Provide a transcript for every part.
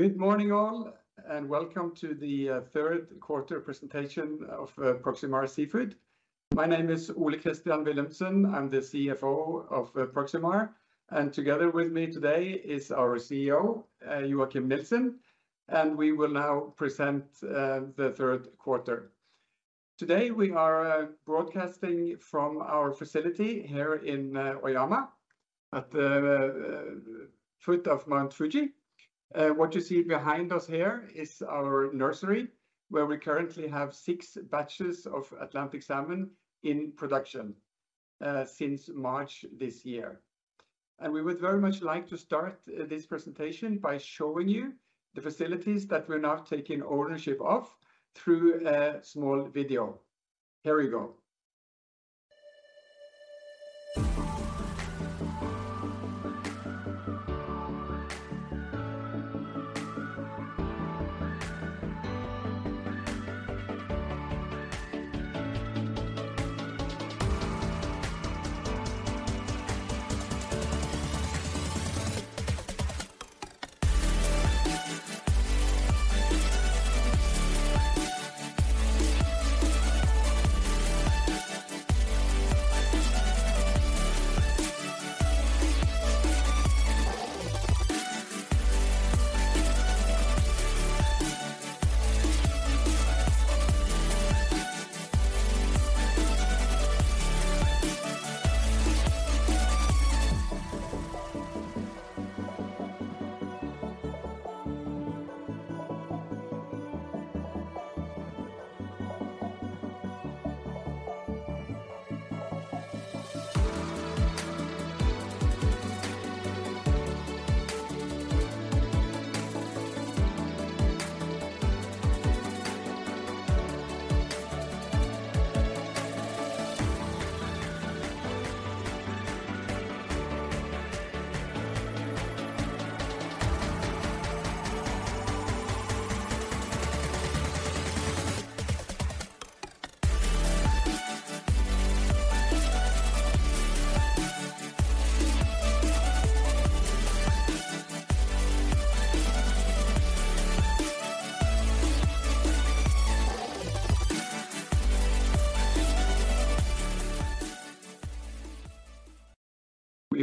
Good morning, all, and welcome to the third quarter presentation of Proximar Seafood. My name is Ole Christian Willumsen. I'm the CFO of Proximar, and together with me today is our CEO, Joachim Nielsen, and we will now present the third quarter. Today, we are broadcasting from our facility here in Oyama, at the foot of Mount Fuji. What you see behind us here is our nursery, where we currently have six batches of Atlantic salmon in production since March this year. And we would very much like to start this presentation by showing you the facilities that we're now taking ownership of through a small video. Here we go.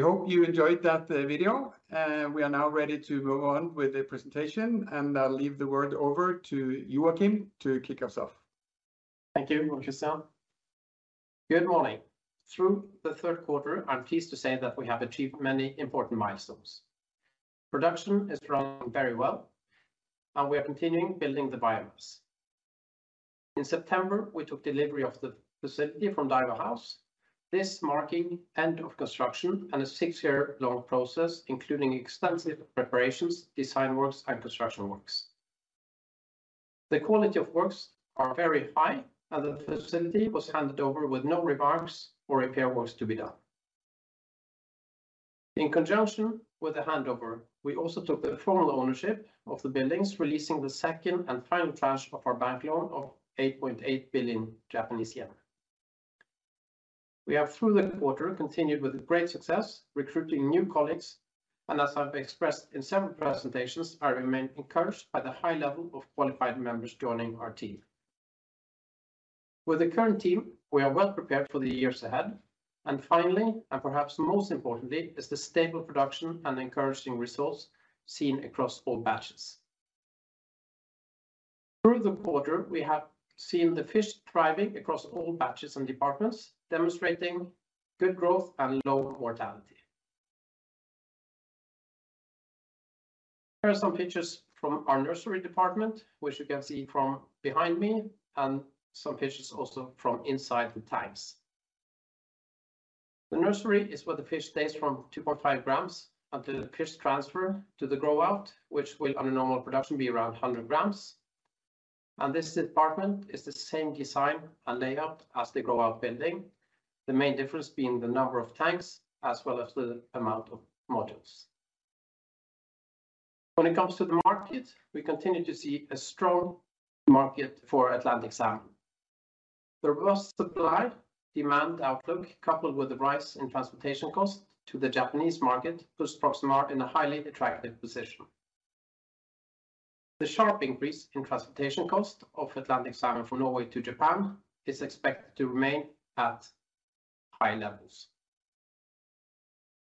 We hope you enjoyed that video. We are now ready to move on with the presentation, and I'll leave the word over to Joachim to kick us off. Thank you, Ole Christian. Good morning! Through the third quarter, I'm pleased to say that we have achieved many important milestones. Production is running very well, and we are continuing building the biomass. In September, we took delivery of the facility from Daiwa House, this marking end of construction and a six-year-long process, including extensive preparations, design works, and construction works. The quality of works are very high, and the facility was handed over with no remarks or repair works to be done. In conjunction with the handover, we also took the formal ownership of the buildings, releasing the second and final tranche of our bank loan of 8.8 billion Japanese yen. We have, through the quarter, continued with great success, recruiting new colleagues, and as I've expressed in several presentations, I remain encouraged by the high level of qualified members joining our team. With the current team, we are well prepared for the years ahead. And finally, and perhaps most importantly, is the stable production and encouraging results seen across all batches. Through the quarter, we have seen the fish thriving across all batches and departments, demonstrating good growth and low mortality. Here are some pictures from our nursery department, which you can see from behind me, and some pictures also from inside the tanks. The nursery is where the fish stays from 2.5 grams until the fish transfer to the grow-out, which will, on a normal production, be around 100 grams. And this department is the same design and layout as the grow-out building, the main difference being the number of tanks as well as the amount of modules. When it comes to the market, we continue to see a strong market for Atlantic salmon. The robust supply-demand outlook, coupled with the rise in transportation costs to the Japanese market, puts Proximar in a highly attractive position. The sharp increase in transportation cost of Atlantic salmon from Norway to Japan is expected to remain at high levels.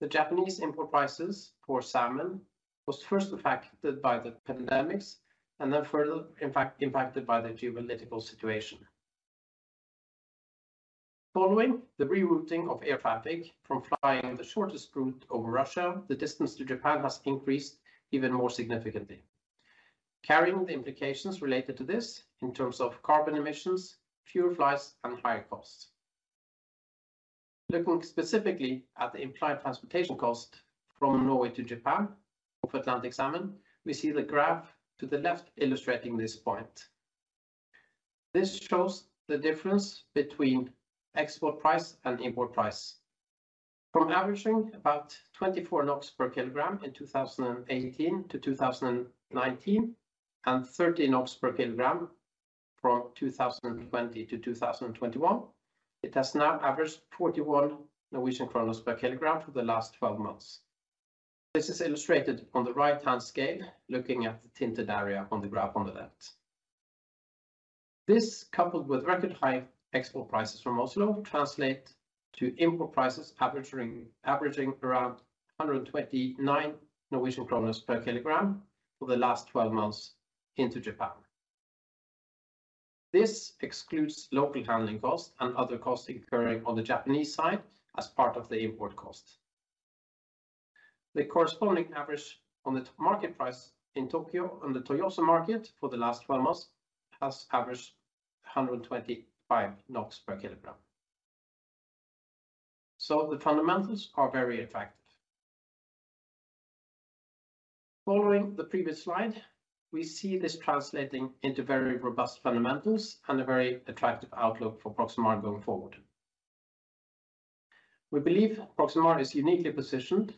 The Japanese import prices for salmon was first affected by the pandemic and then further, in fact, impacted by the geopolitical situation. Following the rerouting of air traffic from flying the shortest route over Russia, the distance to Japan has increased even more significantly, carrying the implications related to this in terms of carbon emissions, fuel, flights, and higher costs. Looking specifically at the implied transportation cost from Norway to Japan of Atlantic salmon, we see the graph to the left illustrating this point. This shows the difference between export price and import price. From averaging about 24 NOK per kilogram in 2018 to 2019, and 13 NOK per kilogram from 2020 to 2021. It has now averaged 41 NOK per kilogram for the last 12 months. This is illustrated on the right-hand scale, looking at the tinted area on the graph on the left. This, coupled with record high export prices from Oslo, translate to import prices averaging around 129 Norwegian kroner per kilogram for the last 12 months into Japan. This excludes local handling costs and other costs occurring on the Japanese side as part of the import cost. The corresponding average on the market price in Tokyo on the Toyosu market for the last 12 months has averaged 125 NOK per kilogram. So the fundamentals are very attractive. Following the previous slide, we see this translating into very robust fundamentals and a very attractive outlook for Proximar going forward. We believe Proximar is uniquely positioned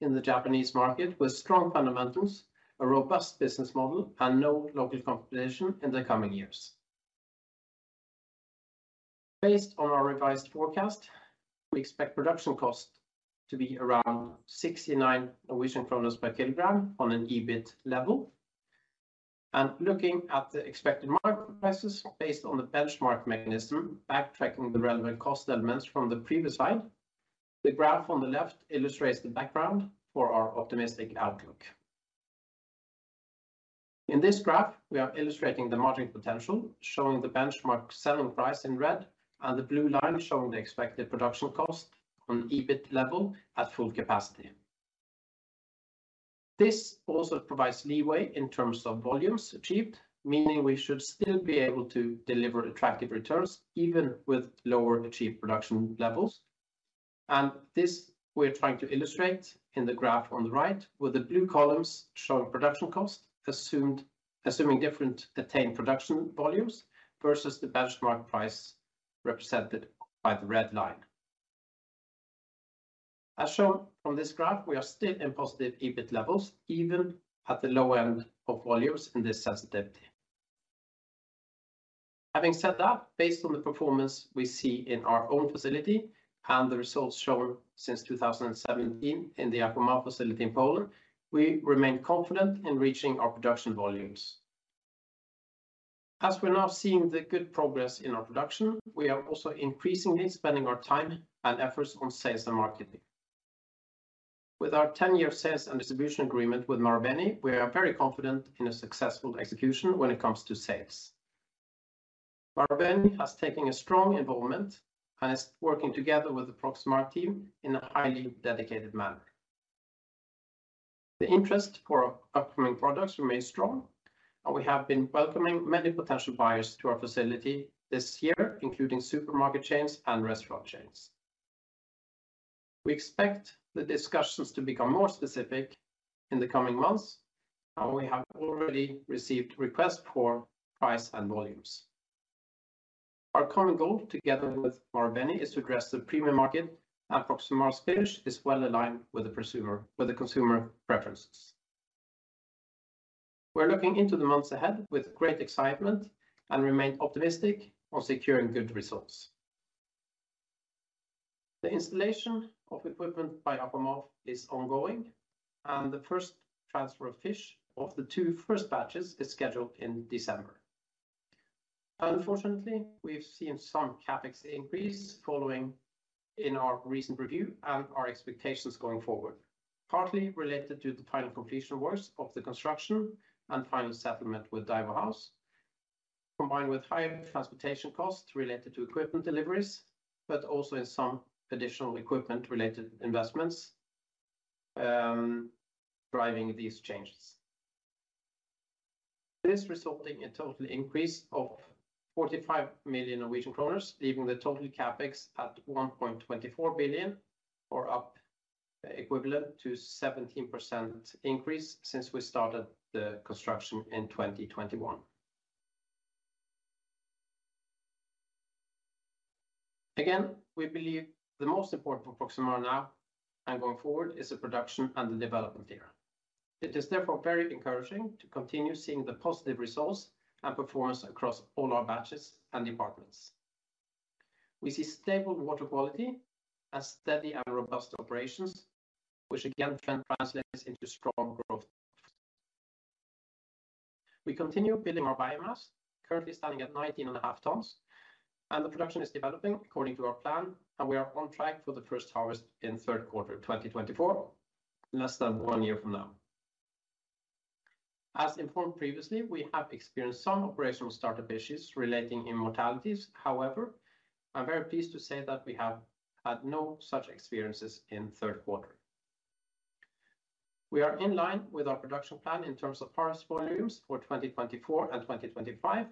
in the Japanese market, with strong fundamentals, a robust business model and no local competition in the coming years. Based on our revised forecast, we expect production cost to be around 69 per kilogram on an EBIT level. Looking at the expected market prices based on the benchmark mechanism, backtracking the relevant cost elements from the previous slide, the graph on the left illustrates the background for our optimistic outlook. In this graph, we are illustrating the margin potential, showing the benchmark selling price in red and the blue line showing the expected production cost on EBIT level at full capacity. This also provides leeway in terms of volumes achieved, meaning we should still be able to deliver attractive returns even with lower achieved production levels. And this we're trying to illustrate in the graph on the right, with the blue columns showing production cost, assuming different attained production volumes versus the benchmark price, represented by the red line. As shown on this graph, we are still in positive EBIT levels, even at the low end of volumes in this sensitivity. Having said that, based on the performance we see in our own facility and the results shown since 2017 in the AquaMaof facility in Poland, we remain confident in reaching our production volumes. As we're now seeing the good progress in our production, we are also increasingly spending our time and efforts on sales and marketing. With our 10-year sales and distribution agreement with Marubeni, we are very confident in a successful execution when it comes to sales. Marubeni has taken a strong involvement and is working together with the Proximar team in a highly dedicated manner. The interest for our upcoming products remains strong, and we have been welcoming many potential buyers to our facility this year, including supermarket chains and restaurant chains. We expect the discussions to become more specific in the coming months, and we have already received requests for price and volumes. Our current goal, together with Marubeni, is to address the premium market, and Proximar's fish is well aligned with the prosumer, with the consumer preferences. We're looking into the months ahead with great excitement and remain optimistic on securing good results. The installation of equipment by AquaMaof is ongoing, and the first transfer of fish of the two first batches is scheduled in December. Unfortunately, we've seen some CapEx increase following in our recent review and our expectations going forward, partly related to the final completion works of the construction and final settlement with Daiwa House, combined with higher transportation costs related to equipment deliveries, but also in some additional equipment-related investments, driving these changes. This resulting in total increase of 45 million Norwegian kroner, leaving the total CapEx at 1.24 billion, or up equivalent to 17% increase since we started the construction in 2021. Again, we believe the most important for Proximar now and going forward is the production and the development here. It is therefore very encouraging to continue seeing the positive results and performance across all our batches and departments. We see stable water quality and steady and robust operations, which again then translates into strong growth. We continue building our biomass, currently standing at 19.5 tons, and the production is developing according to our plan, and we are on track for the first harvest in third quarter 2024, less than one year from now. As informed previously, we have experienced some operational startup issues relating in mortalities. However, I'm very pleased to say that we have had no such experiences in third quarter. We are in line with our production plan in terms of harvest volumes for 2024 and 2025,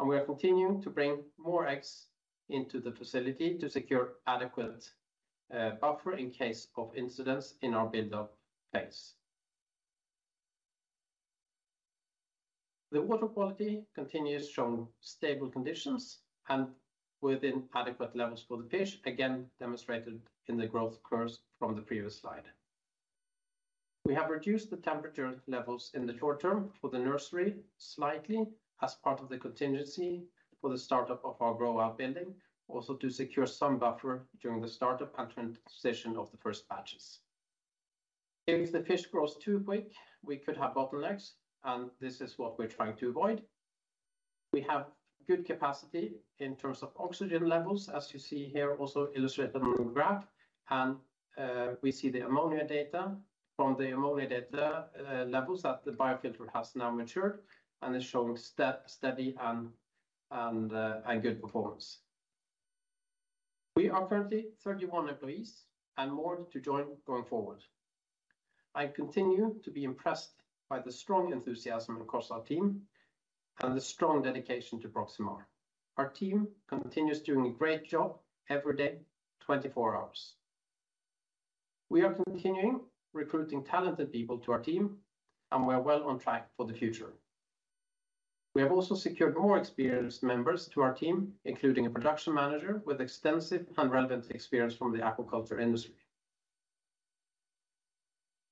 and we are continuing to bring more eggs into the facility to secure adequate buffer in case of incidents in our buildup phase. The water quality continues showing stable conditions and within adequate levels for the fish, again, demonstrated in the growth curves from the previous slide. We have reduced the temperature levels in the short term for the nursery slightly as part of the contingency for the startup of our grow-out building, also to secure some buffer during the startup and transition of the first batches. If the fish grows too quick, we could have bottlenecks, and this is what we're trying to avoid. We have good capacity in terms of oxygen levels, as you see here, also illustrated on the graph. And, we see the ammonia data. From the ammonia data, levels that the biofilter has now matured and is showing steady and good performance. We are currently 31 employees and more to join going forward. I continue to be impressed by the strong enthusiasm across our team and the strong dedication to Proximar. Our team continues doing a great job every day, 24 hours. We are continuing recruiting talented people to our team, and we are well on track for the future. We have also secured more experienced members to our team, including a production manager with extensive and relevant experience from the aquaculture industry.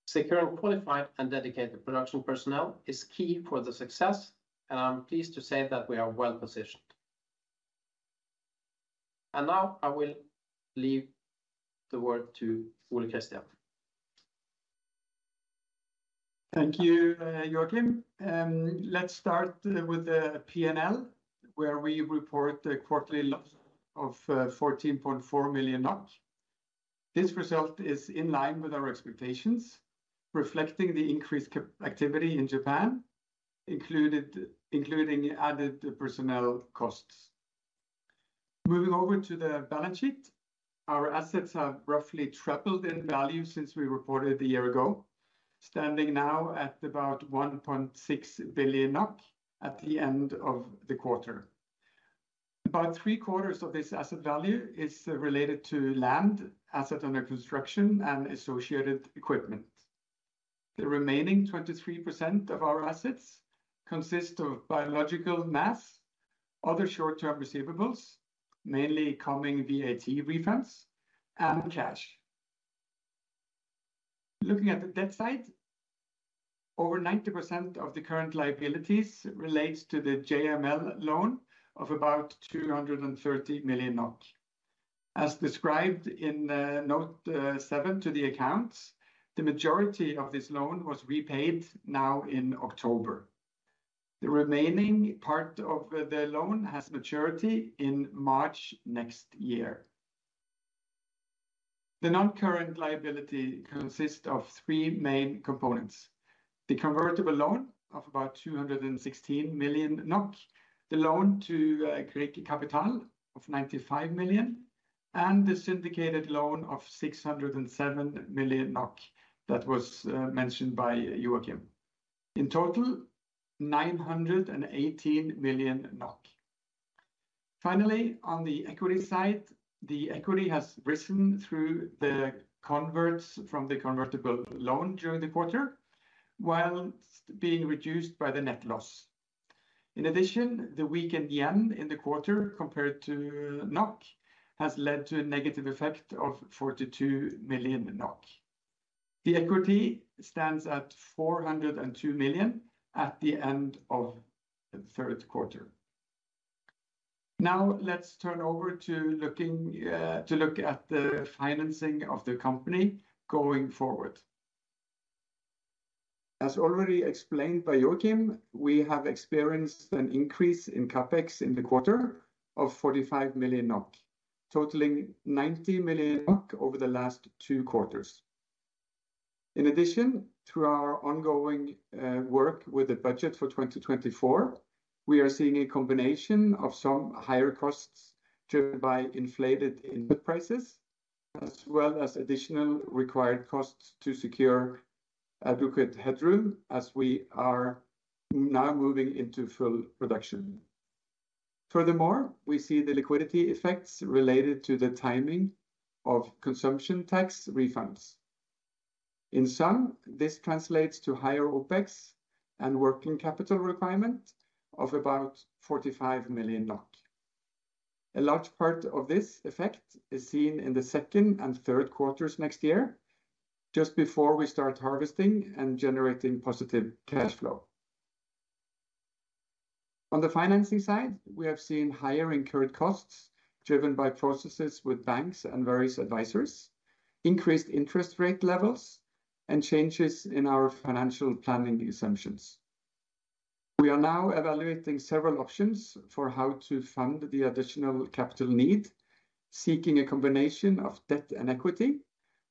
Securing qualified and dedicated production personnel is key for the success, and I'm pleased to say that we are well positioned. Now I will leave the word to Ole Christian. Thank you, Joachim. Let's start with the PNL, where we report a quarterly loss of 14.4 million. This result is in line with our expectations, reflecting the increased CapEx activity in Japan, including the added personnel costs. Moving over to the balance sheet, our assets have roughly tripled in value since we reported a year ago, standing now at about 1.6 billion NOK at the end of the quarter. About three-quarters of this asset value is related to land, asset under construction, and associated equipment. The remaining 23% of our assets consist of biomass, other short-term receivables, mainly coming VAT refunds and cash. Looking at the debt side, over 90% of the current liabilities relates to the JA Mitsui Leasing loan of about 230 million NOK. As described in note seven to the accounts, the majority of this loan was repaid now in October. The remaining part of the loan has maturity in March next year. The non-current liability consists of three main components: the convertible loan of about 216 million NOK, the loan to Grieg Kapital of 95 million, and the syndicated loan of 607 million NOK that was mentioned by Joachim. In total, 918 million NOK. Finally, on the equity side, the equity has risen through the converts from the convertible loan during the quarter, while being reduced by the net loss. In addition, the weakened yen in the quarter, compared to NOK, has led to a negative effect of 42 million NOK. The equity stands at 402 million at the end of the third quarter. Now, let's turn over to look at the financing of the company going forward. As already explained by Joachim, we have experienced an increase in CapEx in the quarter of 45 million NOK, totaling 90 million NOK over the last two quarters. In addition to our ongoing work with the budget for 2024, we are seeing a combination of some higher costs driven by inflated input prices, as well as additional required costs to secure adequate headroom as we are now moving into full production. Furthermore, we see the liquidity effects related to the timing of consumption tax refunds. In sum, this translates to higher OpEx and working capital requirement of about 45 million. A large part of this effect is seen in the second and third quarters next year, just before we start harvesting and generating positive cash flow. On the financing side, we have seen higher incurred costs driven by processes with banks and various advisors, increased interest rate levels, and changes in our financial planning assumptions. We are now evaluating several options for how to fund the additional capital need, seeking a combination of debt and equity,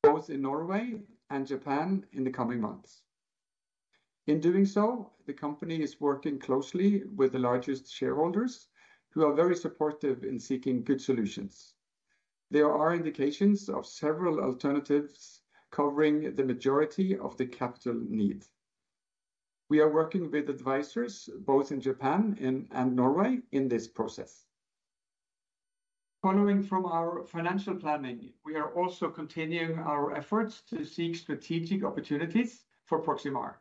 both in Norway and Japan in the coming months. In doing so, the company is working closely with the largest shareholders, who are very supportive in seeking good solutions. There are indications of several alternatives covering the majority of the capital needs. We are working with advisors both in Japan and Norway in this process. Following from our financial planning, we are also continuing our efforts to seek strategic opportunities for Proximar....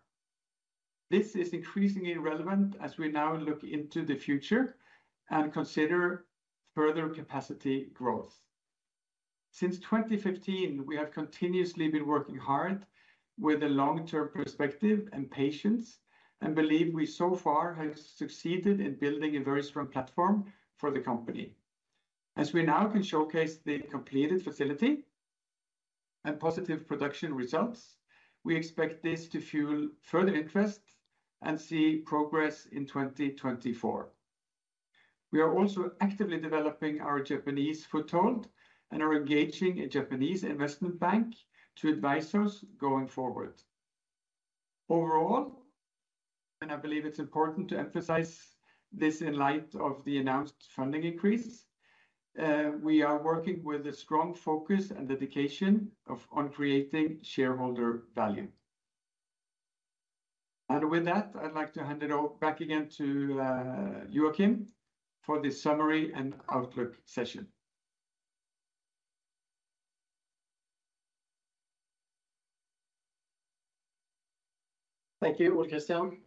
This is increasingly relevant as we now look into the future and consider further capacity growth. Since 2015, we have continuously been working hard with a long-term perspective and patience, and believe we so far have succeeded in building a very strong platform for the company. As we now can showcase the completed facility and positive production results, we expect this to fuel further interest and see progress in 2024. We are also actively developing our Japanese foothold and are engaging a Japanese investment bank to advise us going forward. Overall, and I believe it's important to emphasize this in light of the announced funding increase, we are working with a strong focus and dedication on creating shareholder value. With that, I'd like to hand it over back again to Joachim for the summary and outlook session. Thank you, Ole Christian.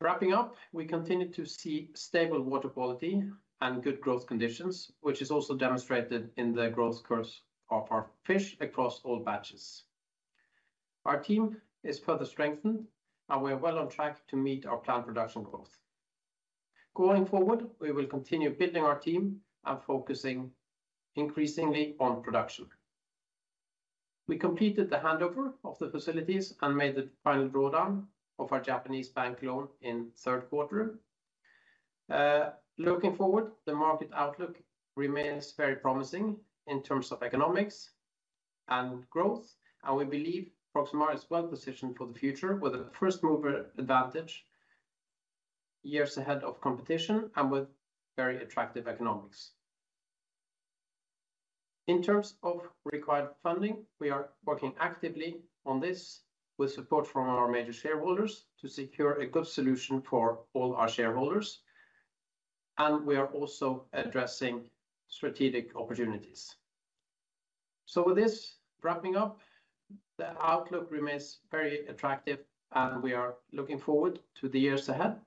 Wrapping up, we continue to see stable water quality and good growth conditions, which is also demonstrated in the growth curves of our fish across all batches. Our team is further strengthened, and we are well on track to meet our planned production growth. Going forward, we will continue building our team and focusing increasingly on production. We completed the handover of the facilities and made the final drawdown of our Japanese bank loan in third quarter. Looking forward, the market outlook remains very promising in terms of economics and growth, and we believe Proximar is well positioned for the future with a first-mover advantage, years ahead of competition, and with very attractive economics. In terms of required funding, we are working actively on this with support from our major shareholders to secure a good solution for all our shareholders, and we are also addressing strategic opportunities. With this, wrapping up, the outlook remains very attractive, and we are looking forward to the years ahead,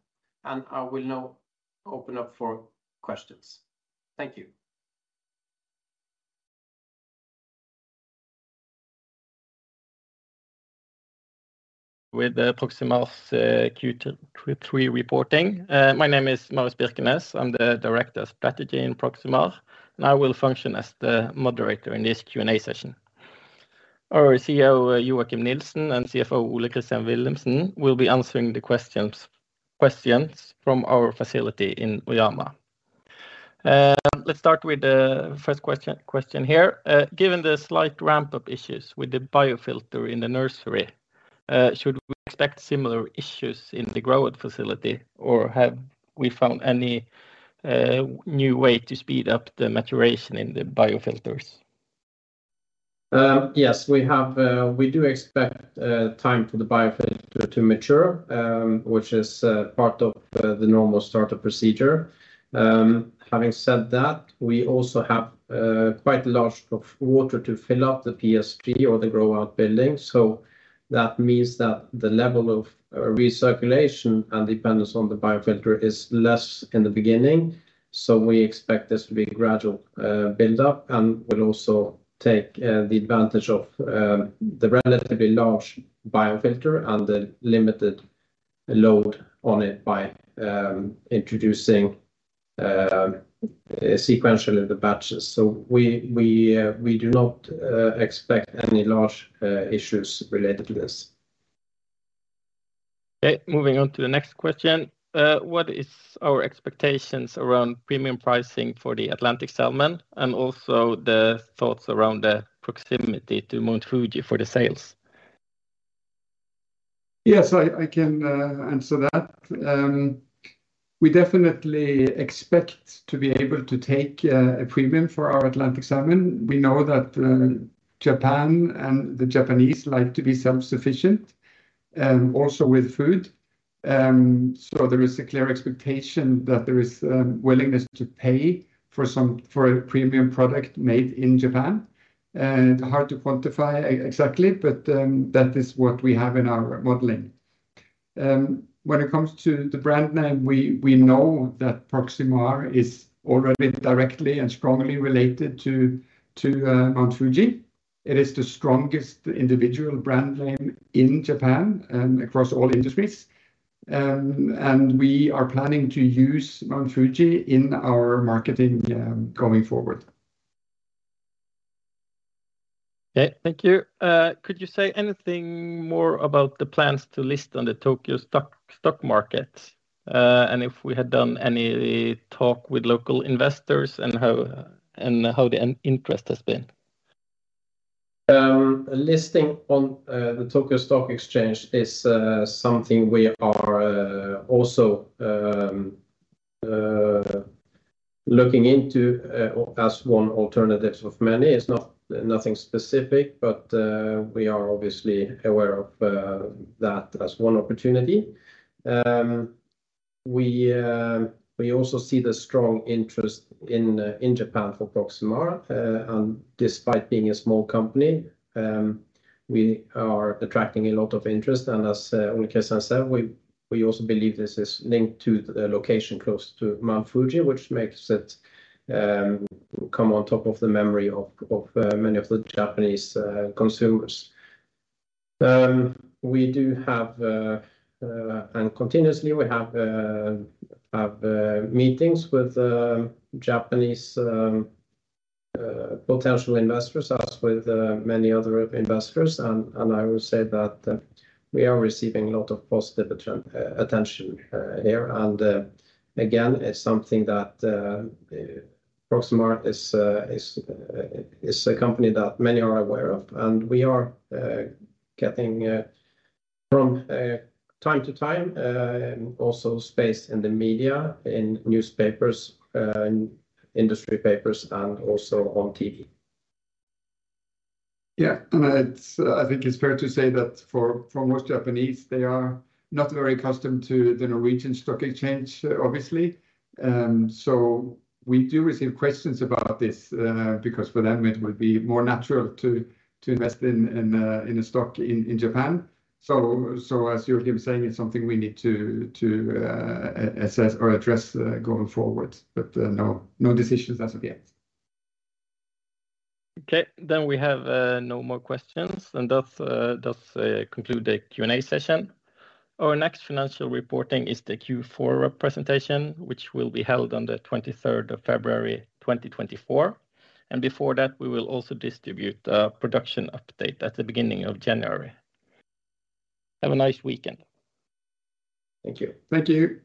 and I will now open up for questions. Thank you. Welcome to Proximar's Q3 reporting. My name is Marius Birkenes. I'm the Director of Strategy in Proximar, and I will function as the moderator in this Q&A session. Our CEO, Joachim Nielsen, and CFO, Ole Christian Willumsen, will be answering the questions from our facility in Oyama. Let's start with the first question here. Given the slight ramp-up issues with the biofilter in the nursery, should we expect similar issues in the grow-out facility, or have we found any new way to speed up the maturation in the biofilters? Yes, we have-- we do expect time for the biofilter to mature, which is part of the normal startup procedure. Having said that, we also have quite a large of water to fill up the PSG or the grow-out building, so that means that the level of recirculation and dependence on the biofilter is less in the beginning. So we expect this to be a gradual build-up and will also take the advantage of the relatively large biofilter and the limited load on it by introducing sequentially the batches. So we do not expect any large issues related to this. Okay, moving on to the next question. What is our expectations around premium pricing for the Atlantic salmon and also the thoughts around the proximity to Mount Fuji for the sales? Yes, I can answer that. We definitely expect to be able to take a premium for our Atlantic salmon. We know that Japan and the Japanese like to be self-sufficient, also with food. So there is a clear expectation that there is willingness to pay for a premium product made in Japan. Hard to quantify exactly, but that is what we have in our modeling. When it comes to the brand name, we know that Proximar is already directly and strongly related to Mount Fuji. It is the strongest individual brand name in Japan, across all industries. And we are planning to use Mount Fuji in our marketing, going forward. Okay, thank you. Could you say anything more about the plans to list on the Tokyo Stock Market? And if we had done any talk with local investors and how the interest has been. Listing on the Tokyo Stock Exchange is something we are also looking into as one alternative of many. It's not nothing specific, but we are obviously aware of that as one opportunity. We also see the strong interest in Japan for Proximar. And despite being a small company, we are attracting a lot of interest. And as Ole Christian said, we also believe this is linked to the location close to Mount Fuji, which makes it come on top of the memory of many of the Japanese consumers. We do have and continuously we have meetings with Japanese potential investors, as with many other investors. I would say that we are receiving a lot of positive attention here. And again, it's something that Proximar is a company that many are aware of. And we are getting from time to time also space in the media, in newspapers, in industry papers, and also on TV. Yeah. And it's... I think it's fair to say that for, for most Japanese, they are not very accustomed to the Norwegian Stock Exchange, obviously. So we do receive questions about this, because for them, it would be more natural to, to invest in, in, in a stock in, in Japan. So, so as Joachim saying, it's something we need to, to, assess or address, going forward. But, no, no decisions as of yet. Okay. Then we have no more questions, and that does conclude the Q&A session. Our next financial reporting is the Q4 presentation, which will be held on the 23rd of February, 2024. And before that, we will also distribute a production update at the beginning of January. Have a nice weekend. Thank you. Thank you.